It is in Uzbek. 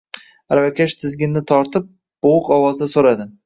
Aravakash tizginni tortib, bo`g`iq ovozda so`radi